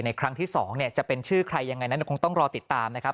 ครั้งที่๒จะเป็นชื่อใครยังไงนั้นคงต้องรอติดตามนะครับ